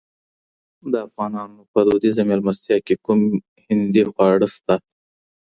د افغانانو په دودیزه مېلمستیا کي کوم هندي خواړه سته؟